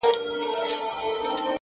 و ماته عجيبه دي توري د _